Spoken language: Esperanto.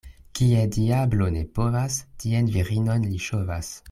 Kie diablo ne povas, tien virinon li ŝovas.